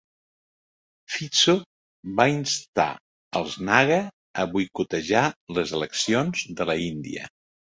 Phizo va instar els naga a boicotejar les eleccions de l'Índia.